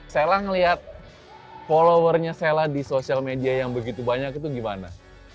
sela ngelihat followernya sela di sosial media yang begitu banyak itu gimana